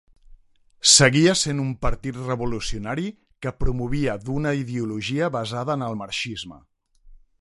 Seguia sent un partit revolucionari que promovia d'una ideologia basada en el marxisme.